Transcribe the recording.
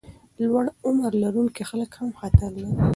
لوړ عمر لرونکي خلک هم خطر لري.